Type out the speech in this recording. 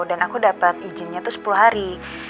dan aku dapet izinnya tuh sepuluh hari